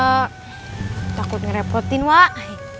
eh takut ngerepotin wak